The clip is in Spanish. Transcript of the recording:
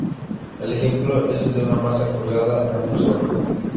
El ejemplo es el de una masa colgada a un resorte.